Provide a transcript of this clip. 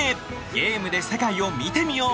ゲームで世界を見てみよう」